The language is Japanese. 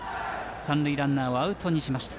三塁ランナーをアウトにしました。